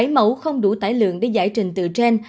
bảy mẫu không đủ tải lượng để giải trình tự gen